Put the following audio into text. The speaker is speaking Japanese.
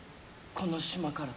この島から。